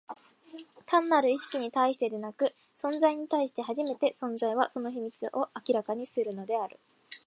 単なる意識に対してでなく、存在に対して初めて、存在は、その秘密を明らかにするのである。